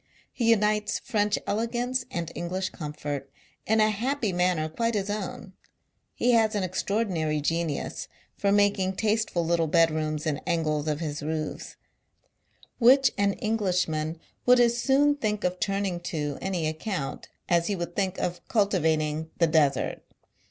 He j unites French elegance and English comfort, i in a happy manner quite his own. He lias an j extraordinary genius for making tasteful little j bedrooms iu angles of his roofs, which an Englishman would as soon think of turning • to any account, as he would think of cultivat i ing the Desert.